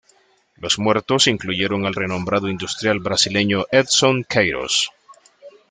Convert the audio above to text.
Los muertos incluyeron al renombrado industrial brasileño Edson Queiroz.